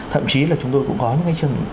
thậm chí là chúng tôi cũng có những cái